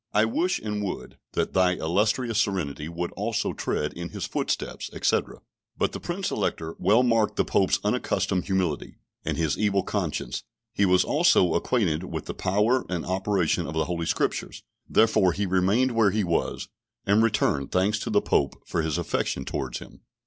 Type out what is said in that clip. I wish and would that thy illustrious serenity would also tread in his footsteps," etc. But the Prince Elector well marked the Pope's unaccustomed humility, and his evil conscience; he was also acquainted with the power and operation of the Holy Scriptures. Therefore he remained where he was, and returned thanks to the Pope for his affection towards him.